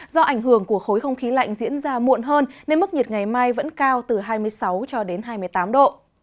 do ảnh hưởng của khối không khí lạnh diễn ra muộn hơn nên mức nhiệt ngày mai vẫn cao từ hai mươi sáu cho đến hai mươi tám độ